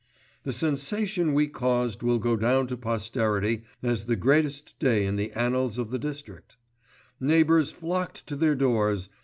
The sensation we caused will go down to posterity as the greatest day in the annals of the district. Neighbours flocked to their doors.